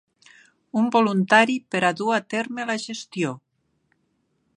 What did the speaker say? Un voluntari per a dur a terme la gestió.